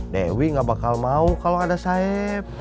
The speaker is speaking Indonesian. dewi gak bakal mau kalau ada sayap